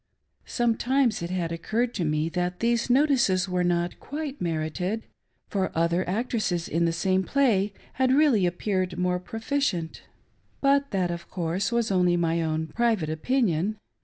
Sometimes it had occurred to me that these notices were not quite merited, for other actresses A CURIOUS C.ONSULTATION. 537 in the same play had really appeared more proficient ; but that, of course, was only my own private opinion.